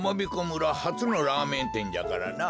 村はつのラーメンてんじゃからな。